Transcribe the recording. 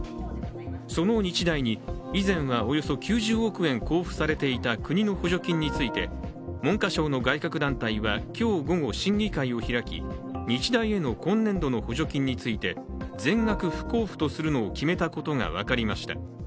その日大に、以前はおよそ９０億円交付されていた国の補助金について文科省の外郭団体は今日午後審議会を開き、日大への今年度の補助金について全額不交付とすることを決めたことが分かりました。